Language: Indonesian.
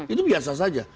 itu biasa saja